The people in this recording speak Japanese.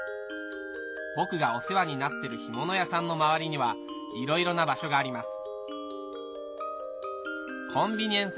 僕がお世話になってる干物屋さんの周りにはいろいろな場所があります